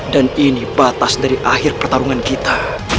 dan ini batas dari akhir pertarungan kita